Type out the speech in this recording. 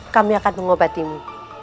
kami akan mengobatimu